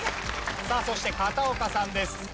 さあそして片岡さんです。